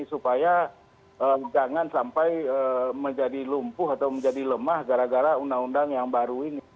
supaya jangan sampai menjadi lumpuh atau menjadi lemah gara gara undang undang yang baru ini